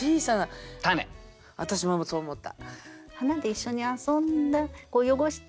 私もそう思った。